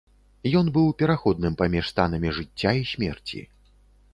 Ён быў пераходным паміж станамі жыцця і смерці.